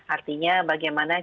artinya bagaimana kita jangan sampai